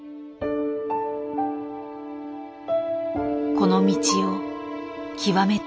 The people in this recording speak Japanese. この道を極めたい。